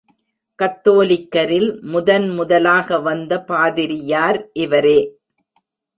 கத்தோலிக்கரில் முதன் முதலாக வந்த பாதிரியார் இவரே.